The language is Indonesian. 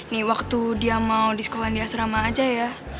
nih waktu dia mau di sekolah dia serama aja ya